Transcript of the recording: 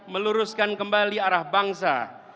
meluruskan kembali arah bangsa